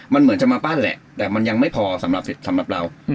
มันเหมือนจะมาปั้นแหละแต่มันยังไม่พอสำหรับสำหรับเรา